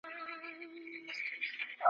ترې يې وپوښتې كيسې د عملونو ,